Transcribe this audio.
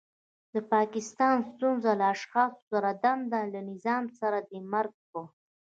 د پاکستان ستونزه له اشخاصو سره نده له نظام سره دی. مرګ په